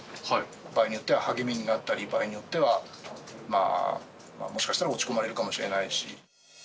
場合によっては励みになったり、場合によっては、もしかしたら落ち込まれるかもしれないし。